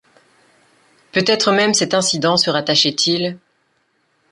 Peut-être même cet incident se rattachait-il